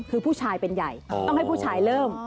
คือผู้ชายเป็นใหญ่ต้องให้ผู้ชายเริ่ม